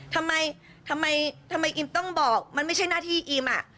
ทำไมอิมต้องบอกมันไม่ใช่หน้าที่อิม